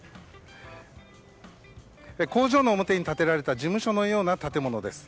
工場の表に建てられた事務所のような建物です。